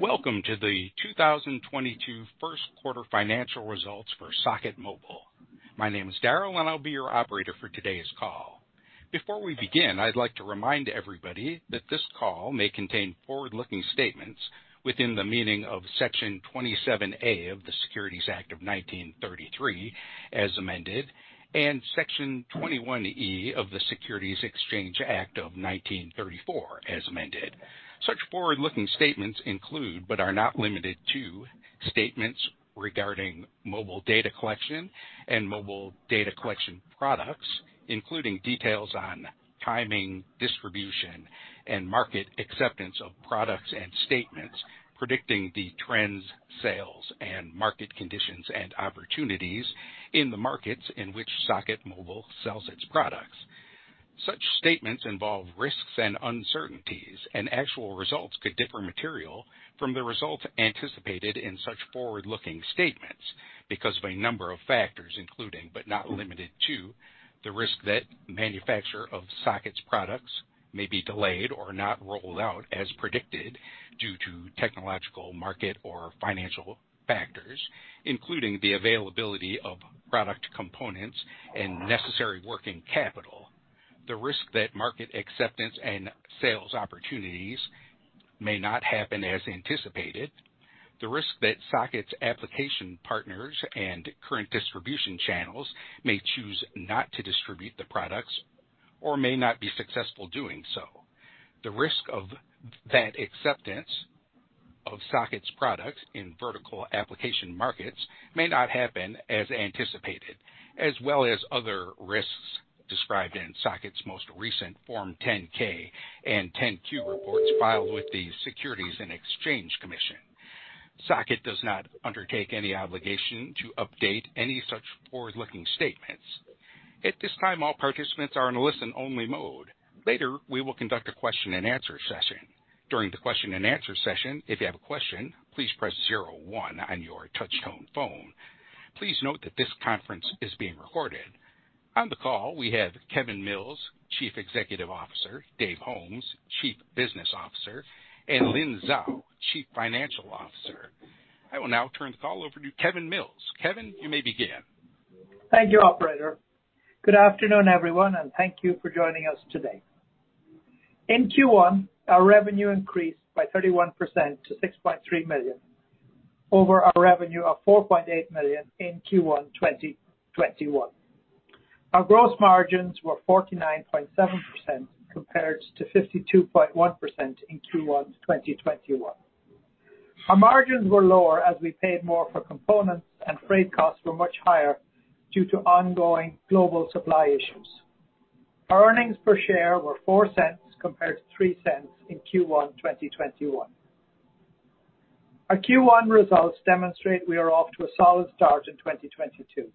Welcome to the 2022 Q1 financial results for Socket Mobile. My name is Daryl, and I'll be your operator for today's call. Before we begin, I'd like to remind everybody that this call may contain forward-looking statements within the meaning of Section 27A of the Securities Act of 1933 as amended, and Section 21E of the Securities Exchange Act of 1934 as amended. Such forward-looking statements include, but are not limited to, statements regarding mobile data collection and mobile data collection products, including details on timing, distribution, and market acceptance of products and statements predicting the trends, sales, and market conditions and opportunities in the markets in which Socket Mobile sells its products. Such statements involve risks and uncertainties, and actual results could differ materially from the results anticipated in such forward-looking statements because of a number of factors, including, but not limited to, the risk that manufacture of Socket's products may be delayed or not rolled out as predicted due to technological, market, or financial factors, including the availability of product components and necessary working capital. The risk that market acceptance and sales opportunities may not happen as anticipated. The risk that Socket's application partners and current distribution channels may choose not to distribute the products or may not be successful doing so. The risk that acceptance of Socket's products in vertical application markets may not happen as anticipated, as well as other risks described in Socket's most recent Form 10-K and 10-Q reports filed with the Securities and Exchange Commission. Socket does not undertake any obligation to update any such forward-looking statements. At this time, all participants are in a listen-only mode. Later, we will conduct a question-and-answer session. During the question-and-answer session, if you have a question, please press zero one on your touch tone phone. Please note that this conference is being recorded. On the call, we have Kevin Mills, Chief Executive Officer, Dave Holmes, Chief Business Officer, and Lynn Zhao, Chief Financial Officer. I will now turn the call over to Kevin Mills. Kevin, you may begin. Thank you, operator. Good afternoon, everyone, and thank you for joining us today. In Q1, our revenue increased by 31% to $6.3 million over our revenue of $4.8 million in Q1 2021. Our gross margins were 49.7% compared to 52.1% in Q1 2021. Our margins were lower as we paid more for components and freight costs were much higher due to ongoing global supply issues. Our earnings per share were $0.04 compared to $0.03 in Q1 2021. Our Q1 results demonstrate we are off to a solid start in 2022.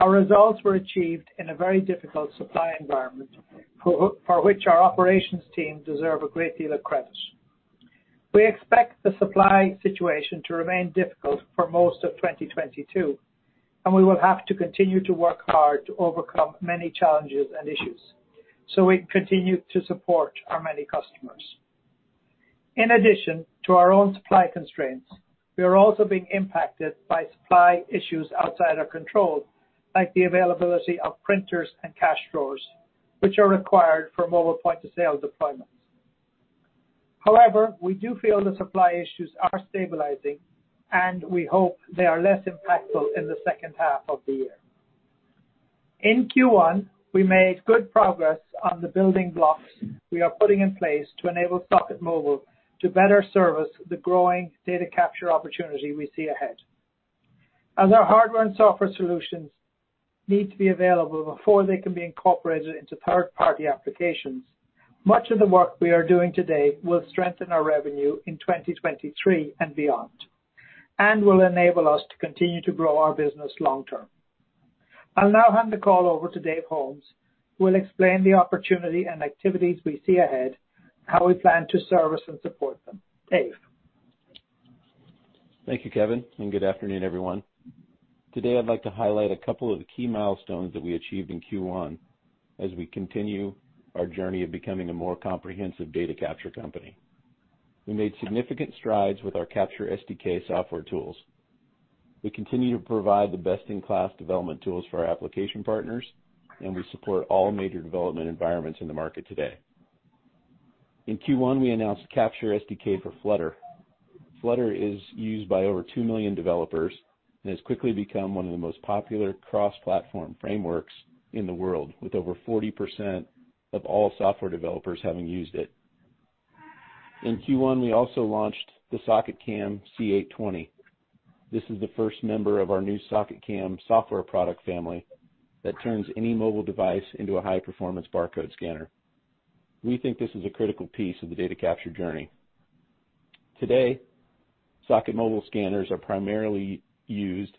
Our results were achieved in a very difficult supply environment for which our operations team deserve a great deal of credit. We expect the supply situation to remain difficult for most of 2022, and we will have to continue to work hard to overcome many challenges and issues, so we continue to support our many customers. In addition to our own supply constraints, we are also being impacted by supply issues outside our control, like the availability of printers and cash drawers, which are required for mobile point of sale deployments. However, we do feel the supply issues are stabilizing, and we hope they are less impactful in the second half of the year. In Q1, we made good progress on the building blocks we are putting in place to enable Socket Mobile to better service the growing data capture opportunity we see ahead. As our hardware and software solutions need to be available before they can be incorporated into third-party applications, much of the work we are doing today will strengthen our revenue in 2023 and beyond and will enable us to continue to grow our business long term. I'll now hand the call over to Dave Holmes, who will explain the opportunity and activities we see ahead, how we plan to service and support them. Dave. Thank you, Kevin, and good afternoon, everyone. Today, I'd like to highlight a couple of the key milestones that we achieved in Q1 as we continue our journey of becoming a more comprehensive data capture company. We made significant strides with our CaptureSDK software tools. We continue to provide the best-in-class development tools for our application partners, and we support all major development environments in the market today. In Q1, we announced CaptureSDK for Flutter. Flutter is used by over 2 million developers and has quickly become one of the most popular cross-platform frameworks in the world, with over 40% of all software developers having used it. In Q1, we also launched the SocketCam C820. This is the first member of our new SocketCam software product family that turns any mobile device into a high-performance barcode scanner. We think this is a critical piece of the data capture journey. Today, Socket Mobile scanners are primarily used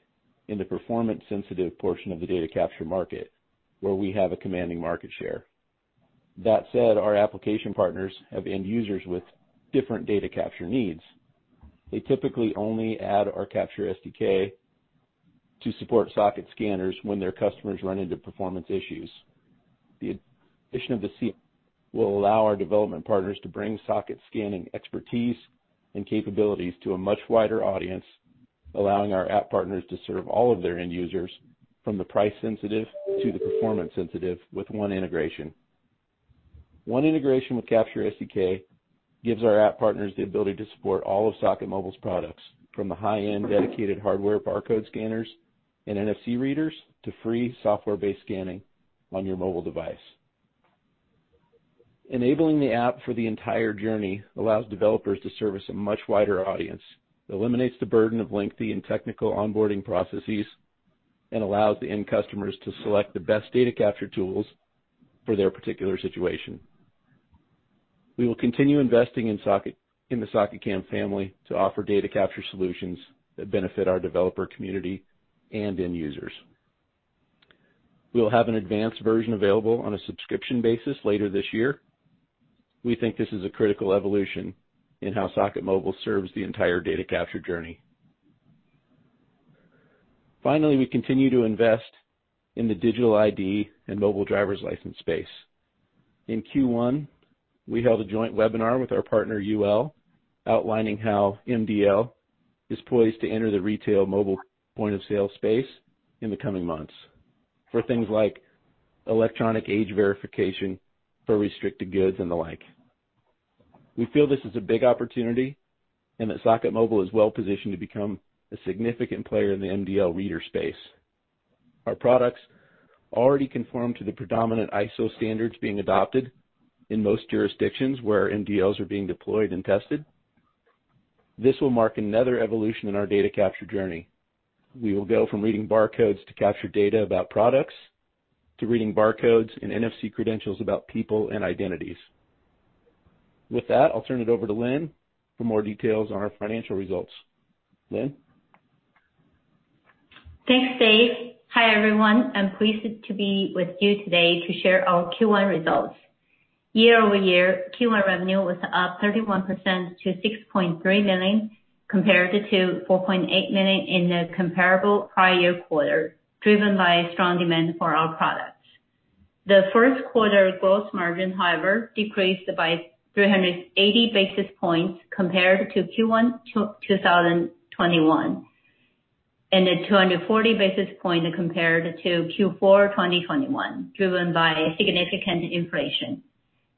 in the performance sensitive portion of the data capture market, where we have a commanding market share. That said, our application partners have end users with different data capture needs. They typically only add our CaptureSDK to support Socket scanners when their customers run into performance issues. The addition of the SocketCam will allow our development partners to bring Socket scanning expertise and capabilities to a much wider audience, allowing our app partners to serve all of their end users, from the price sensitive to the performance sensitive, with one integration. One integration with CaptureSDK gives our app partners the ability to support all of Socket Mobile's products, from the high-end dedicated hardware barcode scanners and NFC readers to free software-based scanning on your mobile device. Enabling the app for the entire journey allows developers to service a much wider audience, eliminates the burden of lengthy and technical onboarding processes, and allows the end customers to select the best data capture tools for their particular situation. We will continue investing in Socket, in the SocketCam family to offer data capture solutions that benefit our developer community and end users. We will have an advanced version available on a subscription basis later this year. We think this is a critical evolution in how Socket Mobile serves the entire data capture journey. Finally, we continue to invest in the digital ID and mobile driver's license space. In Q1, we held a joint webinar with our partner UL, outlining how MDL is poised to enter the retail mobile point of sale space in the coming months for things like electronic age verification for restricted goods and the like. We feel this is a big opportunity and that Socket Mobile is well-positioned to become a significant player in the MDL reader space. Our products already conform to the predominant ISO standards being adopted in most jurisdictions where MDLs are being deployed and tested. This will mark another evolution in our data capture journey. We will go from reading barcodes to capture data about products, to reading barcodes and NFC credentials about people and identities. With that, I'll turn it over to Lynn for more details on our financial results. Lynn? Thanks, Dave. Hi, everyone. I'm pleased to be with you today to share our Q1 results. Year-over-year, Q1 revenue was up 31% to $6.3 million, compared to $4.8 million in the comparable prior quarter, driven by strong demand for our products. Q1 gross margin, however, decreased by 380 basis points compared to Q1 2021, and 240 basis points compared to Q4 2021, driven by significant inflation.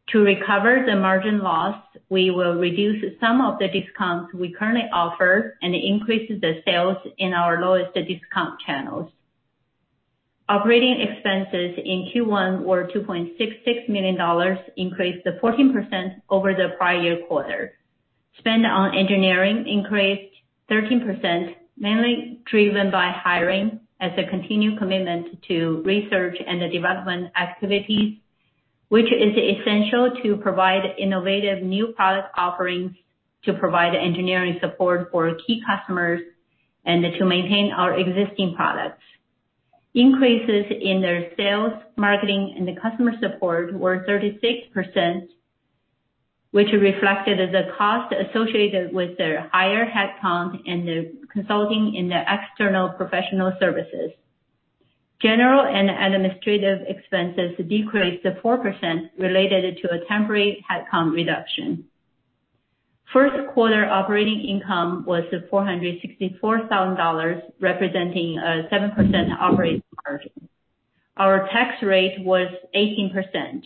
To recover the margin loss, we will reduce some of the discounts we currently offer and increase the sales in our lowest discount channels. Operating expenses in Q1 were $2.66 million, increased 14% over the prior year quarter. Spend on engineering increased 13%, mainly driven by hiring as a continued commitment to research and the development activities, which is essential to provide innovative new product offerings to provide engineering support for key customers and to maintain our existing products. Increases in our sales, marketing, and the customer support were 36%, which reflected the cost associated with the higher headcount and the consulting in the external professional services. General and administrative expenses decreased 4% related to a temporary headcount reduction. Q1 operating income was $464 thousand, representing a 7% operating margin. Our tax rate was 18%.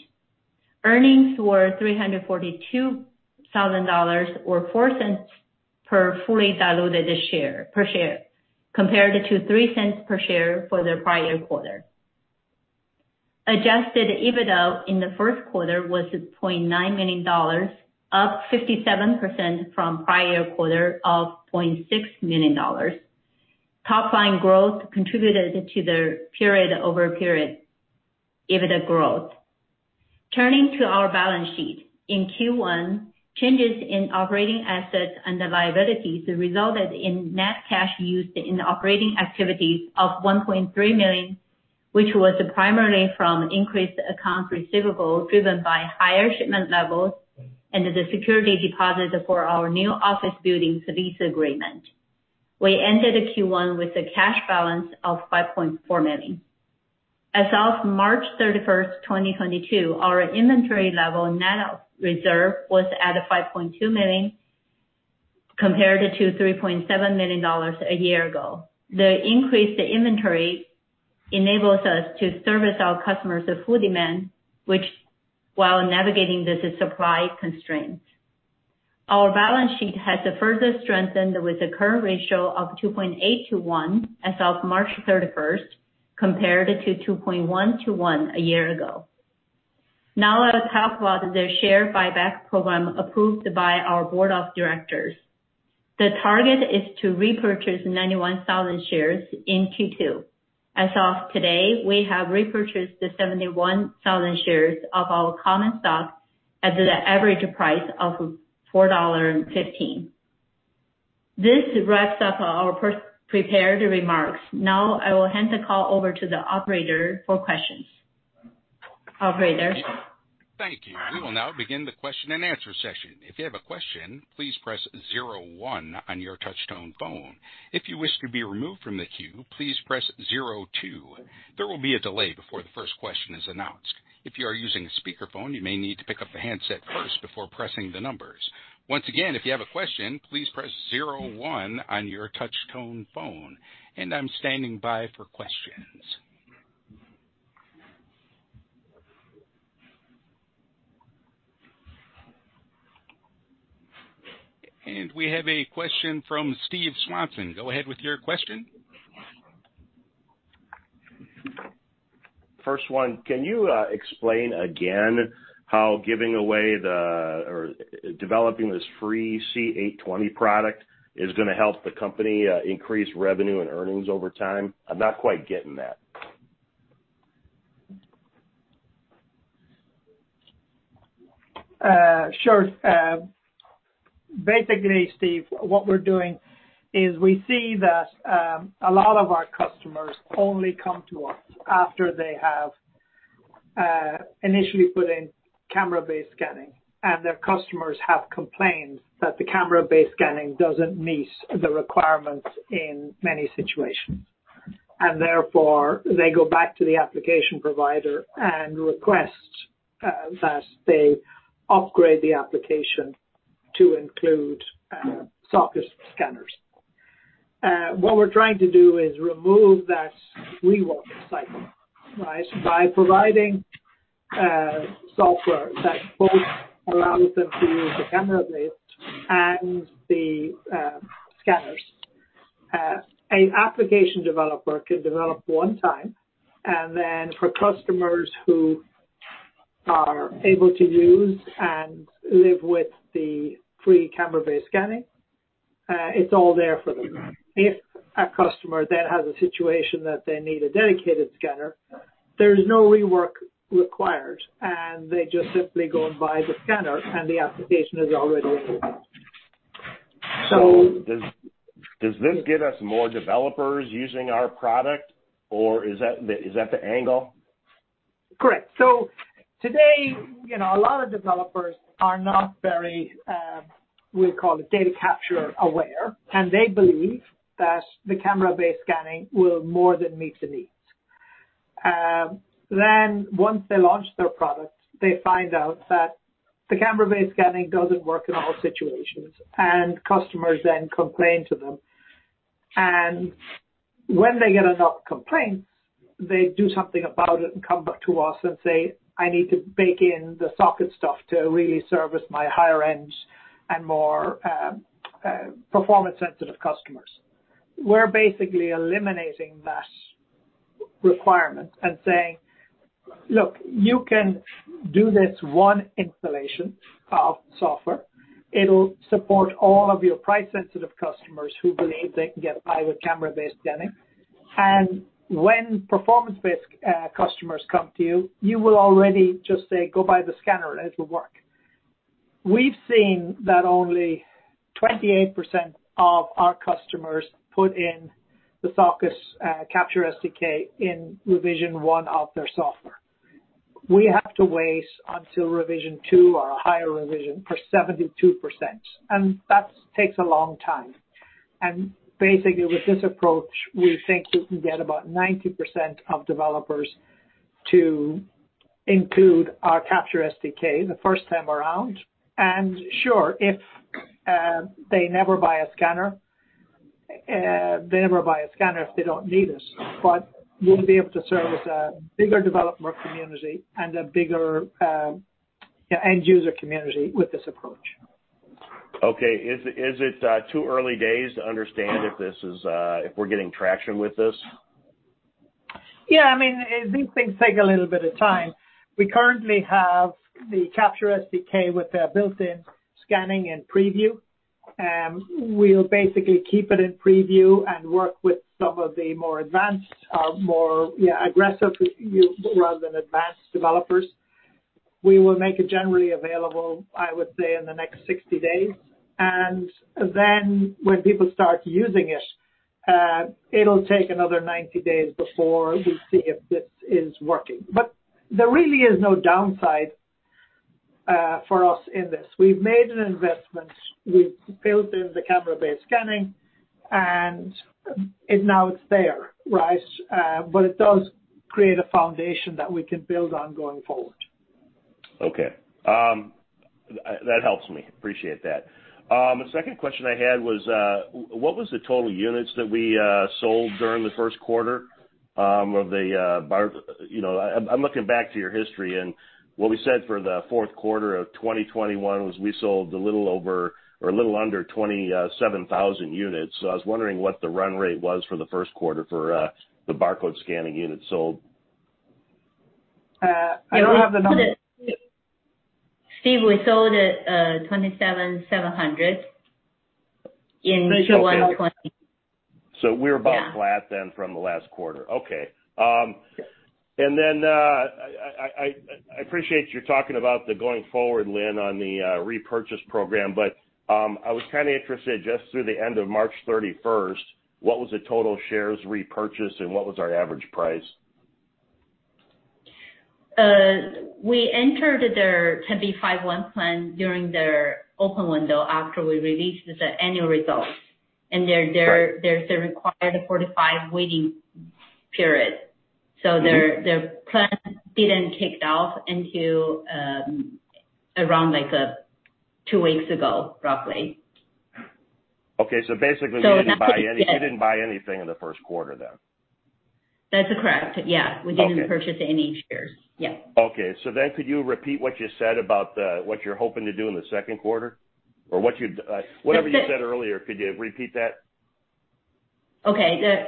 Earnings were $342 thousand or $0.04 per fully diluted share, compared to $0.03 per share for the prior quarter. Adjusted EBITDA in Q1 was $0.9 million, up 57% from prior quarter of $0.6 million. Top-line growth contributed to the period-over-period EBITDA growth. Turning to our balance sheet. In Q1, changes in operating assets and the liabilities resulted in net cash used in operating activities of $1.3 million, which was primarily from increased accounts receivable driven by higher shipment levels and the security deposit for our new office building's lease agreement. We ended Q1 with a cash balance of $5.4 million. As of March 31st, 2022, our inventory level net of reserve was at $5.2 million, compared to $3.7 million a year ago. The increased inventory enables us to service our customers' full demand, which, while navigating the supply constraints. Our balance sheet has further strengthened with a current ratio of 2.8 to 1 as of March 31st, compared to 2.1 to 1 a year ago. Now I'll talk about the share buyback program approved by our board of directors. The target is to repurchase 91,000 shares in Q2. As of today, we have repurchased 71,000 shares of our common stock at the average price of $4.15. This wraps up our prepared remarks. Now I will hand the call over to the operator for questions. Operator. Thank you. We will now begin the question-and-answer session. If you have a question, please press zero one on your touchtone phone. If you wish to be removed from the queue, please press zero two. There will be a delay before the first question is announced. If you are using a speakerphone, you may need to pick up the handset first before pressing the numbers. Once again, if you have a question, please press zero one on your touchtone phone and I'm standing by for questions. We have a question from Steve Swanson. Go ahead with your question. First one. Can you explain again how developing this free C820 product is going to help the company increase revenue and earnings over time? I'm not quite getting that. Sure. Basically, Steve, what we're doing is we see that a lot of our customers only come to us after they have initially put in camera-based scanning, and their customers have complained that the camera-based scanning doesn't meet the requirements in many situations. Therefore, they go back to the application provider and request that they upgrade the application to include Socket scanners. What we're trying to do is remove that rework cycle, right? By providing software that both allows them to use the camera-based and the scanners. An application developer can develop one time, and then for customers who are able to use and live with the free camera-based scanning, it's all there for them. If a customer then has a situation that they need a dedicated scanner, there's no rework required, and they just simply go and buy the scanner and the application is already there. Does this give us more developers using our product or is that the angle? Correct. Today, a lot of developers are not very, we call it data capture aware, and they believe that the camera-based scanning will more than meet the needs. Once they launch their product, they find out that the camera-based scanning doesn't work in all situations, and customers then complain to them. When they get enough complaints, they do something about it and come back to us and say, "I need to bake in the Socket stuff to really service my higher end and more, performance sensitive customers." We're basically eliminating that requirement and saying, "Look, you can do this one installation of software. It'll support all of your price sensitive customers who believe they can get by with camera-based scanning." When performance-based customers come to you will already just say, "Go buy the scanner," and it'll work. We've seen that only 28% of our customers put in the Socket CaptureSDK in revision 1 of their software. We have to wait until revision 2 or a higher revision for 72%, and that takes a long time. Basically, with this approach, we think we can get about 90% of developers to include our CaptureSDK the first time around. Sure, if they never buy a scanner, they never buy a scanner if they don't need it. But we'll be able to service a bigger developer community and a bigger end user community with this approach. Okay. Is it too early days to understand if we're getting traction with this? Yes. These things take a little bit of time. We currently have the CaptureSDK with the built-in scanning and preview. We'll basically keep it in preview and work with some of the more advanced, more aggressive users rather than advanced developers. We will make it generally available, I would say, in the next 60 days. When people start using it'll take another 90 days before we see if this is working. There really is no downside for us in this. We've made an investment. We've built in the camera-based scanning, and now it's there, right? It does create a foundation that we can build on going forward. Okay. That helps me. Appreciate that. The second question I had was, what was the total units that we sold during Q1? I'm looking back to your history and what we said for Q4 of 2021 was we sold a little over or a little under 27,000 units. I was wondering what the run rate was for Q1 for the barcode scanning units sold. I don't have the numbers. Steve, we sold 27,700 in Q1 2020. We're about flat then from the last quarter. Okay. I appreciate you talking about the going forward, Lynn, on the repurchase program, but I was interested just through the end of March 31st, what was the total shares repurchase and what was our average price? We entered their 10b5-1 plan during their open window after we released the annual results. There's a required 45 waiting period. Their plan didn't kick off until around two weeks ago, roughly. Okay. Basically, you didn't buy anything in Q1 then? That's correct. Yes. Okay. We didn't purchase any shares. Yes. Okay, could you repeat what you said about what you're hoping to do in Q2? Or whatever you said earlier, could you repeat that? Okay.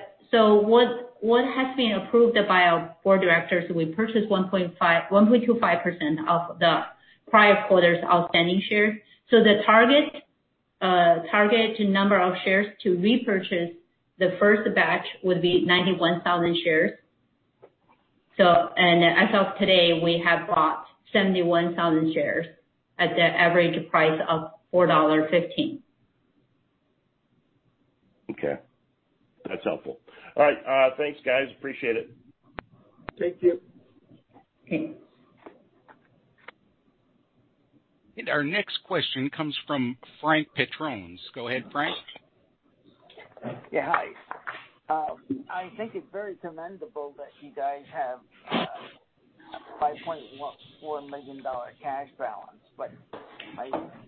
What has been approved by our board directors, we purchased 1.25% of the prior quarter's outstanding shares. The target number of shares to repurchase the first batch would be 91,000 shares. As of today, we have bought 71,000 shares at the average price of $4.15. Okay. That's helpful. All right, thanks, guys. Appreciate it. Thank you. Our next question comes from Frank Petronas. Go ahead, Frank. Hi. I think it's very commendable that you guys have $5.14 million cash balance. My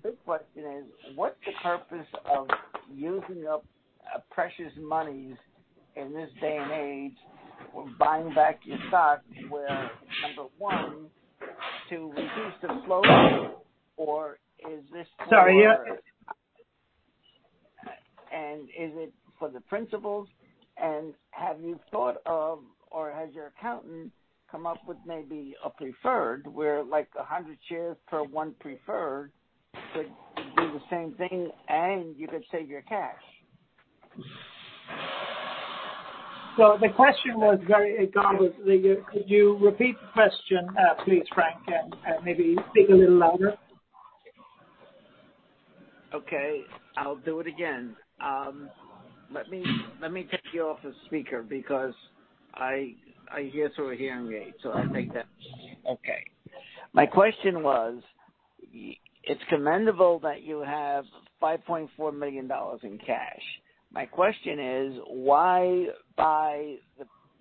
big question is, what's the purpose of using up precious monies in this day and age on buying back your stock where, number one, to reduce the flow or is it for the principals? Have you thought of, or has your accountant come up with maybe a preferred, where 100 shares per one preferred could do the same thing and you could save your cash? Could you repeat the question, please, Frank, and maybe speak a little louder? Okay, I'll do it again. Let me take you off of speaker because I hear through a hearing aid. Okay. My question was, it's commendable that you have $5.4 million in cash. My question is, why buy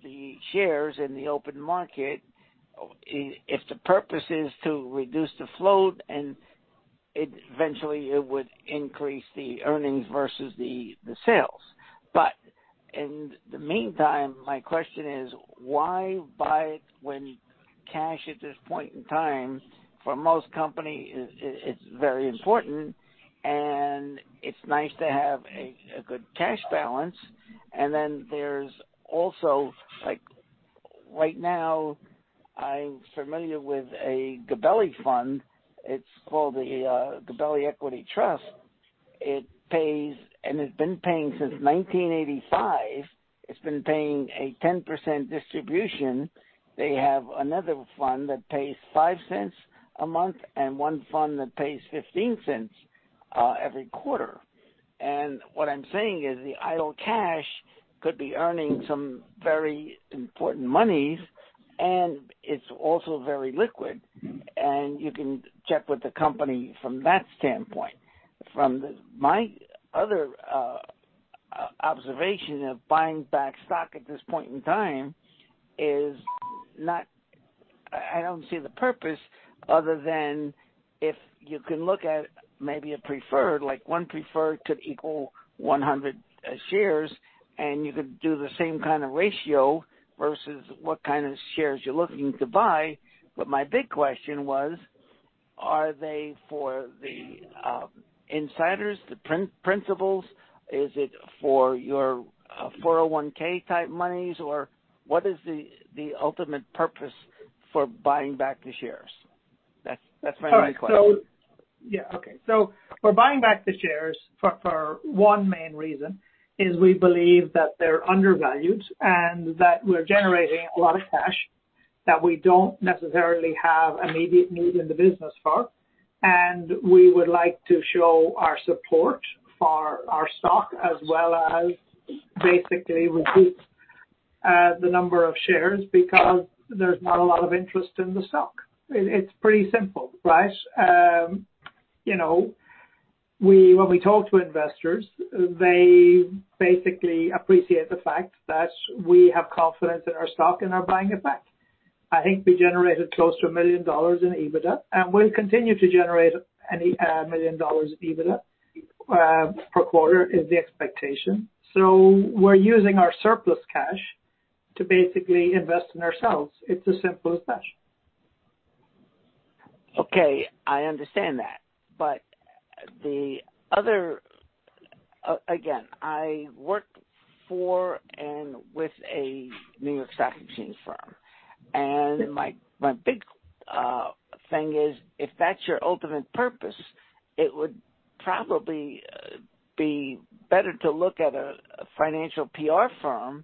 the shares in the open market if the purpose is to reduce the float, and it eventually would increase the earnings versus the sales, but in the meantime, my question is, why buy when cash at this point in time for most companies is very important, and it's nice to have a good cash balance. Then there's also, right now, I'm familiar with a Gabelli fund. It's called the Gabelli Equity Trust. It pays, and it's been paying since 1985, it's been paying a 10% distribution. They have another fund that pays $0.05 a month and one fund that pays $0.15 every quarter. What I'm saying is, the idle cash could be earning some very important monies, and it's also very liquid, and you can check with the company from that standpoint. From my other observation of buying back stock at this point in time is, I don't see the purpose other than if you can look at maybe a preferred, like one preferred could equal 100 shares, and you could do the same ratio versus what shares you're looking to buy. My big question was, are they for the insiders, the principals or is it for your 401(k) type monies, or what is the ultimate purpose for buying back the shares? That's my main question. We're buying back the shares for one main reason is we believe that they're undervalued and that we're generating a lot of cash that we don't necessarily have immediate need in the business for. We would like to show our support for our stock, as well as basically reduce the number of shares because there's not a lot of interest in the stock. It's pretty simple. When we talk to investors, they basically appreciate the fact that we have confidence in our stock and are buying it back. I think we generated close to $1 million in EBITDA, and we'll continue to generate any million dollars of EBITDA per quarter is the expectation. We're using our surplus cash to basically invest in ourselves. It's as simple as that. Okay, I understand that. I work for and with a New York Stock Exchange firm. My big thing is, if that's your ultimate purpose, it would probably be better to look at a financial PR firm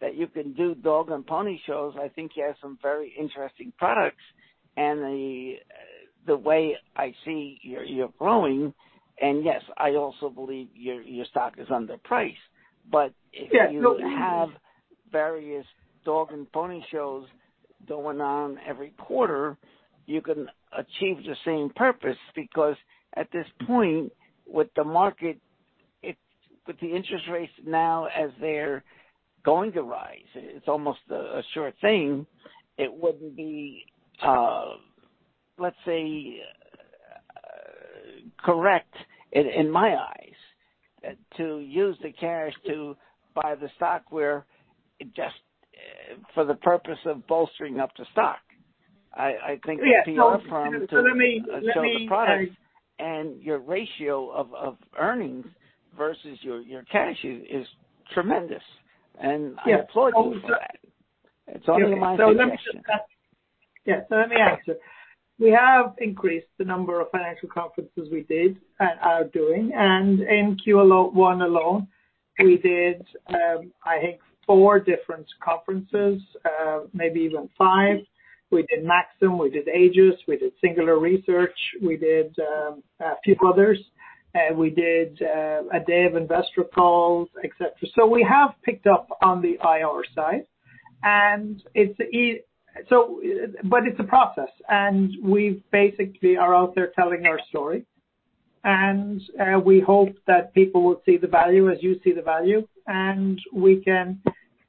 that you can do dog and pony shows. I think you have some very interesting products. The way I see you're growing, and yes, I also believe your stock is underpriced. If you have various dog and pony shows going on every quarter, you can achieve the same purpose because at this point, with the interest rates now as they're going to rise, it's almost a sure thing, it wouldn't be correct in my eyes to use the cash to buy the stock just for the purpose of bolstering up the stock. I think the PR firm to show the products and your ratio of earnings versus your cash is tremendous. I applaud you for that. It's only my suggestion. Let me answer. We have increased the number of financial conferences we did and are doing. In Q1 alone, we did four different conferences, maybe even five. We did Maxim, we did Aegis, we did Singular Research, we did a few others. We did a day of investor calls, etc. We have picked up on the IR side, but it's a process. We basically are out there telling our story. We hope that people will see the value as you see the value, and we can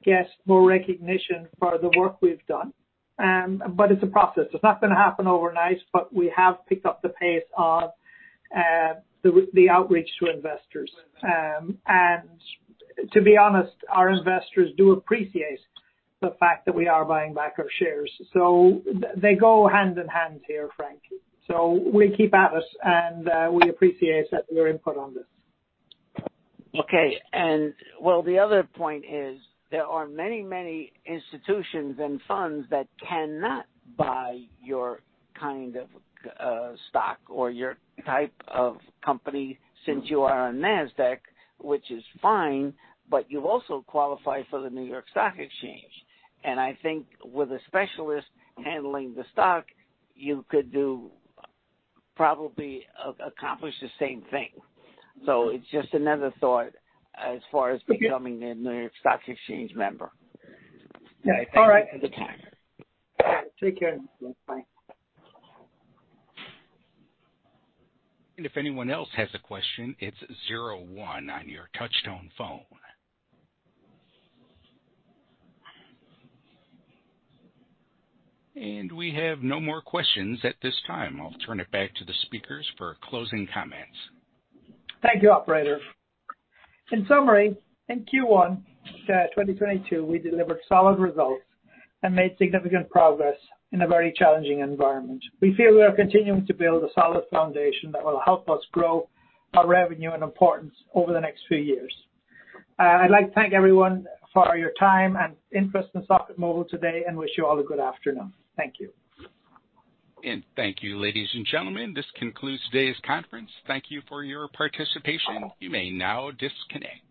get more recognition for the work we've done. But it's a process. It's not going to happen overnight, but we have picked up the pace of the outreach to investors. To be honest, our investors do appreciate the fact that we are buying back our shares. They go hand in hand here, Frank. We keep at this, and we appreciate your input on this. Okay. The other point is there are many, many institutions and funds that cannot buy your stock or your type of company since you are on Nasdaq, which is fine, but you also qualify for the New York Stock Exchange. I think with a specialist handling the stock, you could probably accomplish the same thing. It's just another thought as far as becoming a New York Stock Exchange member. All right. Thank you for the time. Take care. Bye. If anyone else has a question, it's zero one on your touch tone phone. We have no more questions at this time. I'll turn it back to the speakers for closing comments. Thank you, operator. In summary, in Q1 2022, we delivered solid results and made significant progress in a very challenging environment. We feel we are continuing to build a solid foundation that will help us grow our revenue and importance over the next few years. I'd like to thank everyone for your time and interest in Socket Mobile today, and wish you all a good afternoon. Thank you. Thank you, ladies and gentlemen. This concludes today's conference. Thank you for your participation. You may now disconnect.